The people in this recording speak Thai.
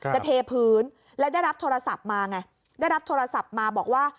เทพื้นแล้วได้รับโทรศัพท์มาไงได้รับโทรศัพท์มาบอกว่า